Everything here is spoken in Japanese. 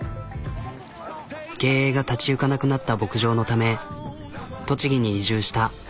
経営が立ち行かなくなった牧場のため栃木に移住した。